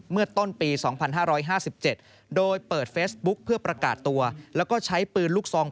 เมื่อต้นปี๒๕๕๗โดยเปิดเฟซบุ๊กเพื่อประกาศตัวแล้วก็ใช้ปืนลูกซอง